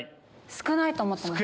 少ないと思ってます。